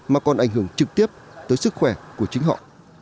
mà còn ảnh hưởng trực tiếp tới sức khỏe của chính họ